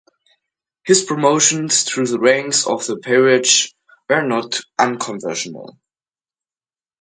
His promotions through the ranks of the peerage were not uncontroversial.